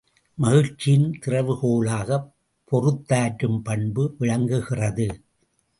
மகிழ்ச்சியின் திறவுகோலாகப் பொறுத்தாற்றும் பண்பு விளங்குகிறது.